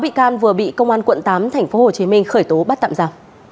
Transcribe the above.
chín bị can vừa bị công an quận tám tp hcm khởi tố bắt tạm giả